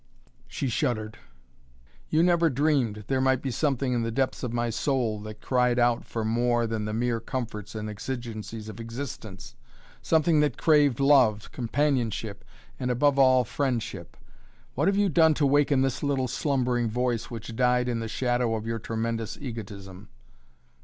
She shuddered. "You never dreamed there might be something in the depths of my soul that cried out for more than the mere comforts and exigencies of existence! Something that craved love, companionship, and, above all, friendship. What have you done to waken this little slumbering voice which died in the shadow of your tremendous egotism?"